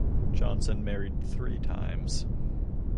Johnson married three times.